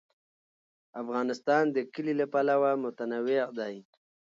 افغانستان د کلي له پلوه متنوع دی.